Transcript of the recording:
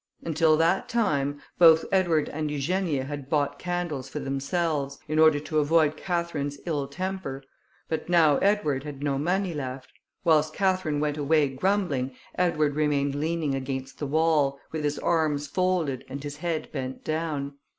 Until that time, both Edward and Eugenia had bought candles for themselves, in order to avoid Catherine's ill temper; but now Edward had no money left. Whilst Catherine went away grumbling, Edward remained leaning against the wall, with his arms folded, and his head bent down.